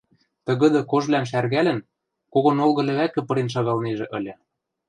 тыгыды кожвлӓм шӓргӓлӹн, кого нолгы лӹвӓкӹ пырен шагалнежӹ ыльы.